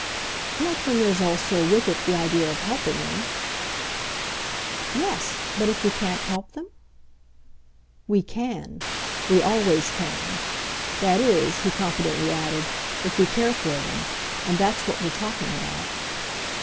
"Not when there's also, with it, the idea of helping them." "Yes, but if we can't help them?" "We CAN we always can. That is," he competently added, "if we care for them. And that's what we're talking about."